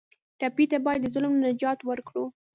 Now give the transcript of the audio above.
ټپي ته باید د ظلم نه نجات ورکړو.